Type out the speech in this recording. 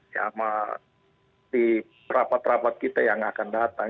sama di rapat rapat kita yang akan datang